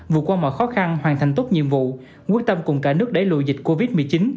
vượt qua mọi khó khăn hoàn thành tốt nhiệm vụ quyết tâm cùng cả nước đẩy lùi dịch covid một mươi chín